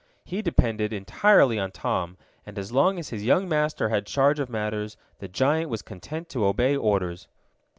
He depended entirely on Tom, and as long as his young master had charge of matters the giant was content to obey orders.